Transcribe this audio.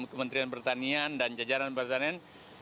kementerian pertanian dan jajaran pertanian